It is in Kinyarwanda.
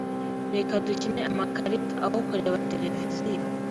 Reka dukine amakarita aho kureba televiziyo.